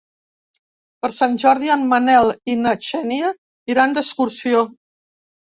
Per Sant Jordi en Manel i na Xènia iran d'excursió.